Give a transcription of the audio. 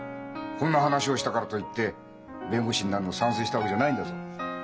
こんな話をしたからといって弁護士になるのを賛成したわけじゃないんだぞ。